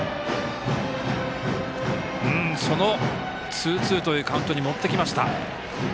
ツーツーというカウントに持ってきました。